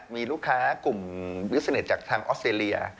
มีลูกค้ากลุ่มบิสเน็ตจากทางออสเตรเลีย